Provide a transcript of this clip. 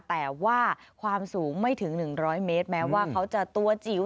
แต่ว่าความสูงไม่ถึง๑๐๐เมตรแม้ว่าเขาจะตัวจิ๋ว